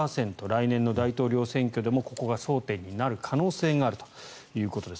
来年の大統領選挙でもここが争点になる可能性があるということです。